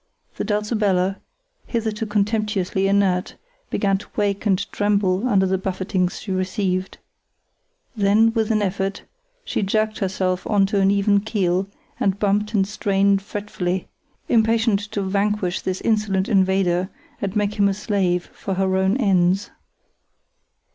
The Dulcibella, hitherto contemptuously inert, began to wake and tremble under the buffetings she received. Then, with an effort, she jerked herself on to an even keel and bumped and strained fretfully, impatient to vanquish this insolent invader and make him a slave for her own ends.